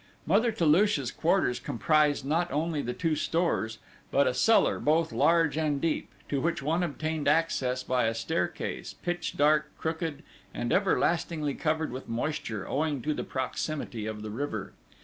Mother Toulouche's quarters comprised not only the two stores, but a cellar both large and deep, to which one obtained access by a staircase pitch dark, crooked, and everlastingly covered with moisture, owing to the proximity of the river.